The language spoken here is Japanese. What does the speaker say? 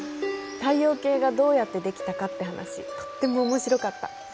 太陽系がどうやってできたかって話とっても面白かった。